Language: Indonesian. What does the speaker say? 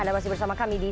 anna masih bersama kami di